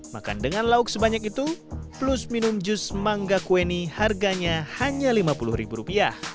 makan dengan lauk sebanyak itu plus minum jus mangga kueni harganya hanya rp lima puluh